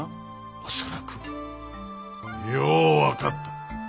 恐らく。よう分かった。